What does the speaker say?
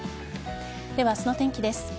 では、明日の天気です。